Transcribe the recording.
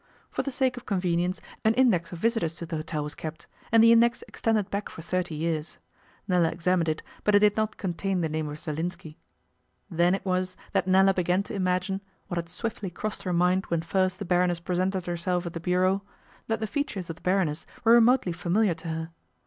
For the sake of convenience an index of visitors to the hotel was kept and the index extended back for thirty years. Nella examined it, but it did not contain the name of Zerlinski. Then it was that Nella began to imagine, what had swiftly crossed her mind when first the Baroness presented herself at the bureau, that the features of the Baroness were remotely familiar to her.